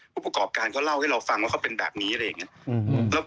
ผู้ประกอบการเขาเล่าให้เราฟังว่าเขาเป็นแบบนี้อะไรอย่างนี้